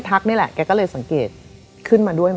อ้าว